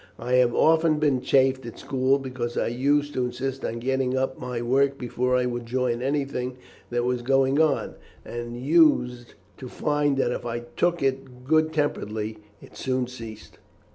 I have often been chaffed at school, because I used to insist on getting up my work before I would join anything that was going on, and used to find that if I took it good temperedly, it soon ceased."